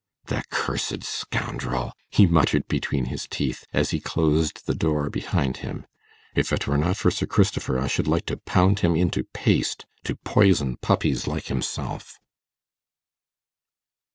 'The cursed scoundrel!' he muttered between his teeth, as he closed the door behind him. 'If it were not for Sir Christopher, I should like to pound him into paste to poison puppies like himself.